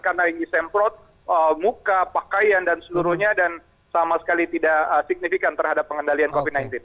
karena ini disemprot muka pakaian dan seluruhnya dan sama sekali tidak signifikan terhadap pengendalian covid sembilan belas